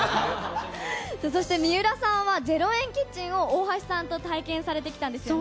そして水卜さんは、０円キッチンを大橋さんと体験されてきたんですよね。